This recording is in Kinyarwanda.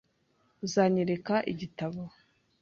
Uzanyereka igitabo?